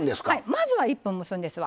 まずは１分蒸すんですわ。